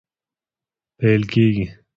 پیل کیږي